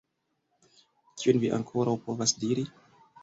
Kion vi ankoraŭ povas diri?